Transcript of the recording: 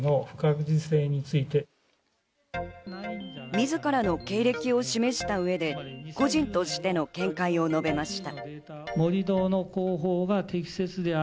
自らの経歴を示した上で、個人としての見解を述べました。